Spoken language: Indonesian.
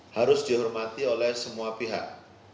harus dihormati oleh semua pihak